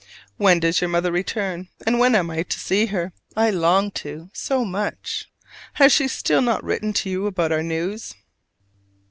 When does your mother return, and when am I to see her? I long to so much. Has she still not written to you about our news?